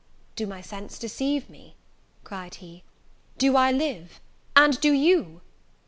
"Do my sense deceive me!" cried he, "do I live ? And do you?"